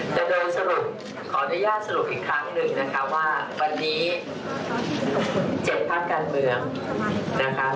แต่โดยสรุปขออนุญาตสรุปอีกครั้งหนึ่งนะคะว่าวันนี้๗พักการเมืองนะคะ